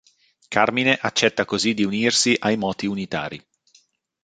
Carmine accetta così di unirsi ai moti unitari.